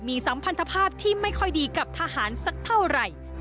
มีสัมพันธภาพที่ไม่ค่อยดีกับทหารสักเท่าไหร่